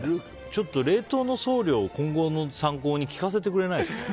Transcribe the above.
ちょっと冷凍の送料今後の参考に聞かせてくれないか？